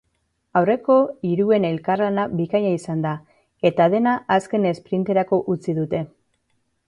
Aurreko hiruen elkarlana bikaina izan da eta dena azken esprinterako utzi dute.